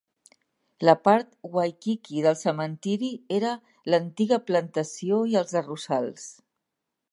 La part Waikiki del cementiri era la antiga plantació i els arrossals.